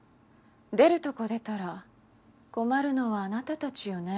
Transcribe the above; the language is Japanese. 出るとこ出たら困るのはあなたたちよね？